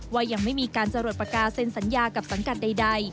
ว่ายังไม่มีการจรวดปากกาเซ็นสัญญากับสังกัดใด